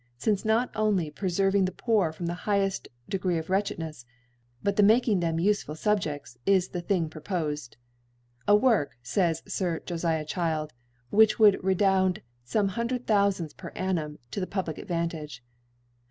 Since not only pre ferving C log ) ferving the Poor from the higheft Degree* of Wretchednefs, but the making them ufe ful Subjcfts, is the Thing propofed ; a Work^ iays Sir Joftab Chili *, which would niound fame hundreds of thoufands per Ann. to thi fublic Advantage.